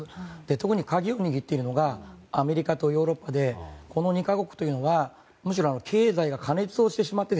特に鍵を握っているのがアメリカとヨーロッパでこの２か国はむしろ経済が過熱をしてしまって